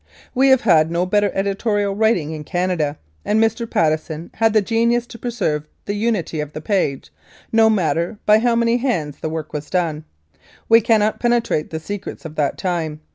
... We have had no better editorial writing in Canada, and Mr. Patteson had the genius to preserve the unity of the page, no matter by how many hands the work was done. We cannot penetrate the secrets of that time.